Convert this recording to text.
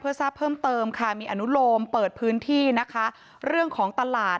ทราบเพิ่มเติมค่ะมีอนุโลมเปิดพื้นที่นะคะเรื่องของตลาด